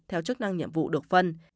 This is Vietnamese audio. theo chức năng nhiệm vụ được phân